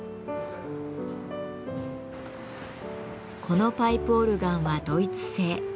このパイプオルガンはドイツ製。